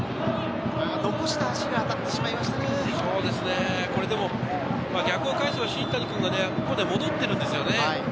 残した足に当たってしま逆を返せば新谷君がここで戻っているんですよね。